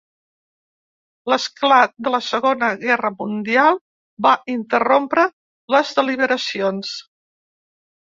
L'esclat de la II Guerra Mundial va interrompre les deliberacions.